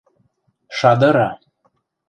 – Шадыра!